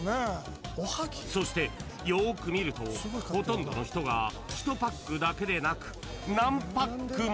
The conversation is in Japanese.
［そしてよーく見るとほとんどの人が１パックだけでなく何パックも］